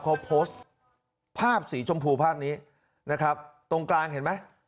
เขาโพสต์ภาพสีชมพูภาพนี้นะครับตรงกลางเห็นไหม